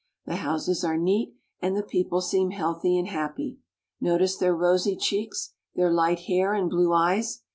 The houses are neat, and the people seem healthy and happy. Notice their rosy cheeks, their light hair and blue eyes!